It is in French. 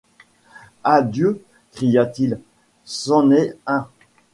Ah Dieu ! cria-t-il, c’en est un !